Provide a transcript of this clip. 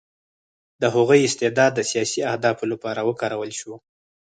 د هغوی استعداد د سیاسي اهدافو لپاره وکارول شو